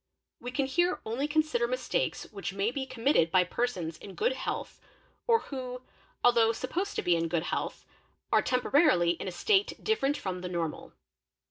We can here only consider mistakes which may be committed by persons in good health or who, although supposed to be in good health, are temporarily — in a state different from the normal.